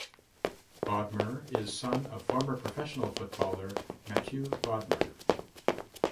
Bodmer is son of former professional footballer Mathieu Bodmer.